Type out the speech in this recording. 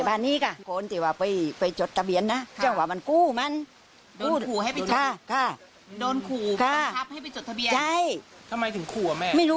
ไม่รู้เหมือนกัน